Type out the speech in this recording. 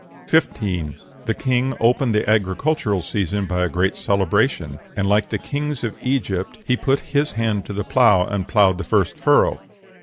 15. The king opened the agricultural season by a great celebration, and, like the kings of Egypt, he put his hand to the plough, and ploughed the first furrow.